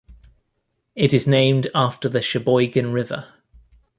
It is named after the Sheboygan River.